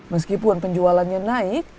meskipun penjualannya naik